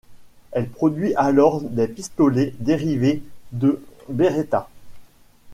Elle produit alors des pistolets, dérivés de Beretta.